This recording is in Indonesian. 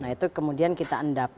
nah itu kemudian kita endap